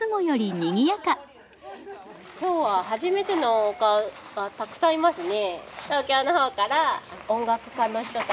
今日は初めてのお顔がたくさんいますね。